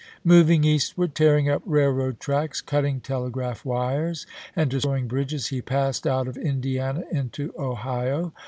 Moving eastward, tearing up railroad tracks, cutting telegraph wires, and destroying bridges, he passed out of Indiana into Ohio.